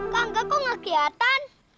kang gak kok ngak kelihatan